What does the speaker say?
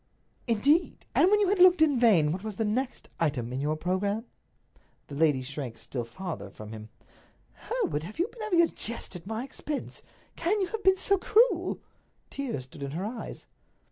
"Indeed! And when you had looked in vain, what was the next item in your programme?" The lady shrank still farther from him. "Hereward, have you been having a jest at my expense? Can you have been so cruel?" Tears stood in her eyes.